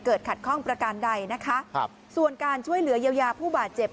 ขัดข้องประการใดนะคะครับส่วนการช่วยเหลือเยียวยาผู้บาดเจ็บ